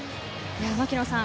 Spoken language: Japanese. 槙野さん